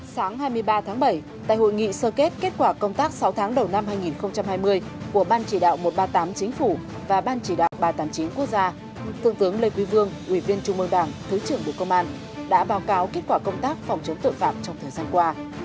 sáng hai mươi ba tháng bảy tại hội nghị sơ kết kết quả công tác sáu tháng đầu năm hai nghìn hai mươi của ban chỉ đạo một trăm ba mươi tám chính phủ và ban chỉ đạo ba trăm tám mươi chín quốc gia thượng tướng lê quý vương ủy viên trung mương đảng thứ trưởng bộ công an đã báo cáo kết quả công tác phòng chống tội phạm trong thời gian qua